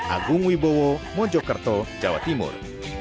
agung wibowo mojokerto jawa timur